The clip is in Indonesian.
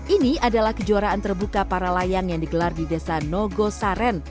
ini adalah kejuaraan terbuka para layang yang digelar di desa nogosar